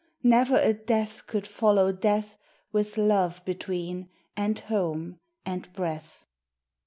Never a death could follow death With love between, and home, and breath.